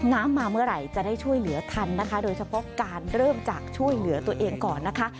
มาเมื่อไหร่จะได้ช่วยเหลือทันนะคะโดยเฉพาะการเริ่มจากช่วยเหลือตัวเองก่อนนะคะ